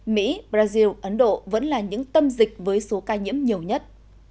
mỹ brazil ấn độ vẫn là những tâm dịch với số ca nhiễm nhiều nhất